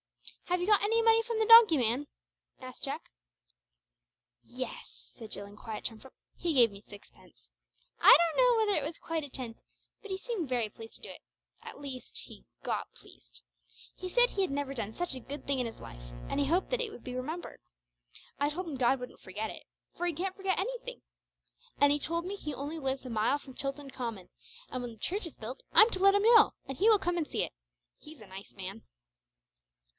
"Have you got any money from the donkey man?" asked Jack. "Yes," said Jill in quiet triumph. "He gave me sixpence. I don't know whether it was quite a tenth, but he seemed very pleased to do it at least he got pleased. He said he had never done such a good thing in his life, and he hoped that it would be remembered. I told him God wouldn't forget it, for He can't forget anything. And he told me he only lives a mile from Chilton Common, and when the church is built I'm to let him know, and he will come and see it. He's a nice man!"